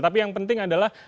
tapi yang penting adalah